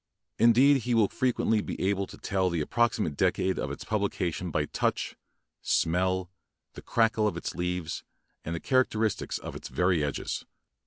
Indeed, he will frequently be able to tell the approxi mate decade of its publication by touch, smell, the crackle of its leaves, and characteristics of its very edges.